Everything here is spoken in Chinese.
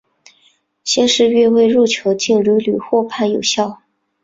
先是越位入球竟屡屡获判有效。